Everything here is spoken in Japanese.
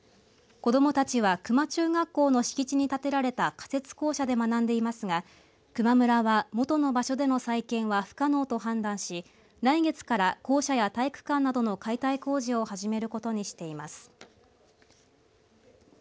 子どもたちは球磨中学校の敷地に建てられた仮設校舎で学んでいますが球磨村は元の場所での再建は不可能と判断し来月から校舎や体育館などの解体工事を始めることにしています。